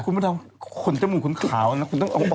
คุณพระดำขนจมูกคุณขาวนะคุณต้องเอาออก